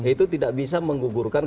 itu tidak bisa menggugurkan